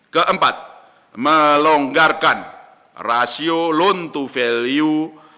keempat melonggarkan rasio loan to value